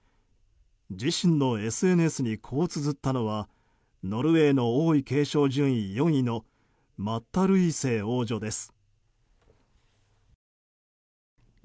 自身のＳＮＳにこうつづったのはノルウェーの王位継承順位４位のマッタ・ルイーセ王女です。